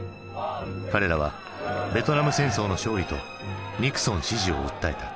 彼らはベトナム戦争の勝利とニクソン支持を訴えた。